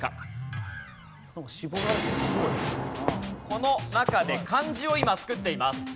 この中で漢字を今作っています。